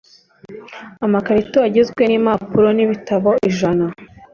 amakarito agizwe n impapuro n ibitabo ijana